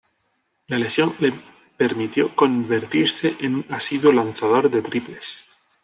La lesión le permitió convertirse en un asiduo lanzador de triples.